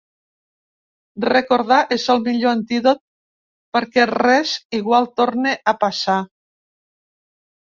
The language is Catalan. Recordar és el millor antídot perquè res igual torne a passar.